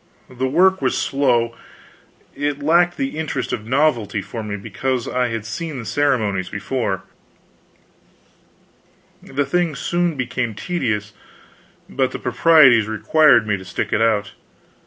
The work was slow; it lacked the interest of novelty for me, because I had seen the ceremonies before; the thing soon became tedious, but the proprieties required me to stick it out.